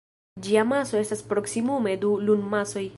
Ĝia maso estas proksimume du Lun-masoj.